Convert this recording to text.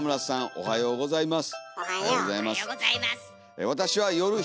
おはようございます。